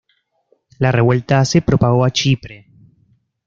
La revuelta se propagó a Chipre.